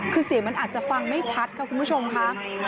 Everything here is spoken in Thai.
คือเสียงมันอาจจะฟังไม่ชัดค่ะคุณผู้ชมค่ะ